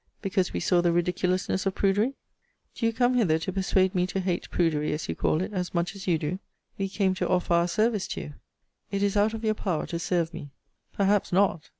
Because we saw the ridiculousness of prudery. Do you come hither to persuade me to hate prudery, as you call it, as much as you do? We came to offer our service to you. It is out of your power to serve me. Perhaps not.